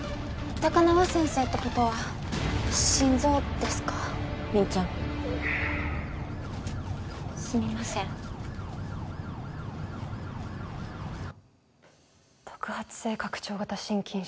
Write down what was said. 高輪先生ってことは心臓ですかミンちゃんすみません特発性拡張型心筋症